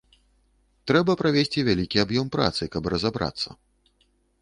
Трэба правесці вялікі аб'ём працы, каб разабрацца.